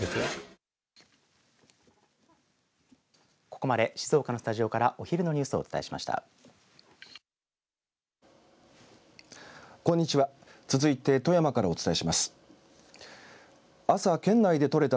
ここまで静岡のスタジオからお昼のニュースをお伝えしました。